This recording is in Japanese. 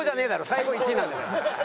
最高１位なんだから。